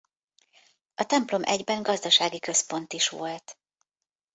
A templom egyben gazdasági központ is volt.